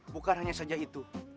bukan hanya saja itu